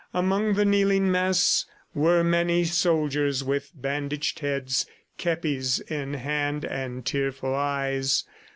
Among the kneeling mass were many soldiers with bandaged heads, kepis in hand and tearful eyes.